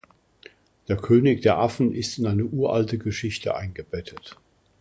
Der König der Affen ist in eine uralte Geschichte eingebettet.